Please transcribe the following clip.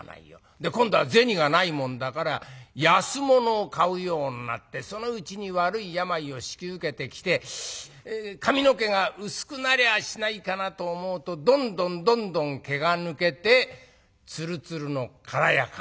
で今度は銭がないもんだから安物を買うようになってそのうちに悪い病を引き受けてきて髪の毛が薄くなりゃしないかなと思うとどんどんどんどん毛が抜けてツルツルの空やかん。